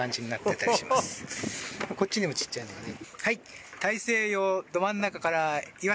こっちにも小っちゃいのがね。